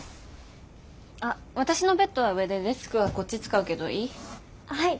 あ私のベッドは上でデスクはこっち使うけどいい？